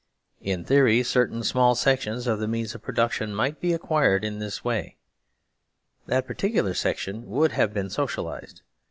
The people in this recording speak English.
In theory certain small sections of the means of production might be acquired in this way. That par ticular section would have been " socialised."